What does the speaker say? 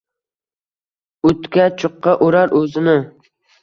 Utga-chuqqa urar uzini